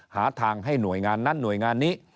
หาทางให้หน่วยงานนั้นหน่วยงานนี้